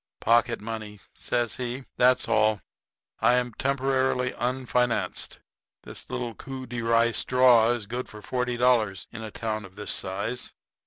"Pocket money," says he; "that's all. I am temporarily unfinanced. This little coup de rye straw is good for forty dollars in a town of this size.